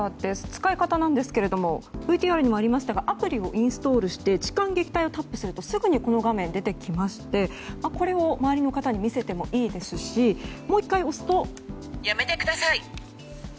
使い方なんですけれどもＶＴＲにもありましたがアプリをインストールして「痴漢撃退」をタップするとすぐにこの画面が出てきましてこれを周りの方に見せてもいいですしやめてください。